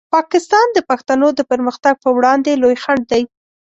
پاکستان د پښتنو د پرمختګ په وړاندې لوی خنډ دی.